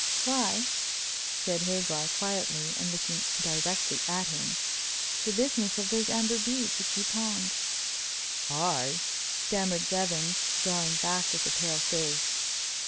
"Why," said Hagar, quietly, and looking directly at him, "the business of those amber beads which you—pawned." "I," stammered Jevons, drawing back with a pale face.